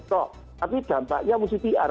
tapi dampaknya mesti pr